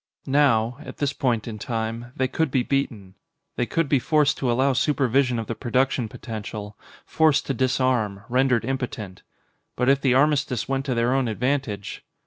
Now at this point in time they could be beaten. They could be forced to allow supervision of the production potential, forced to disarm, rendered impotent. But if the armistice went to their own advantage